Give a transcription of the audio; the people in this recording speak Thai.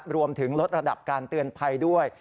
รวมถึงลดระดับการเตือนภัยด้วย